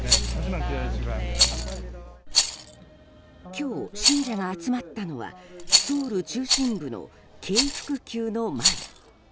今日、信者が集まったのはソウル中心部の京福宮の前。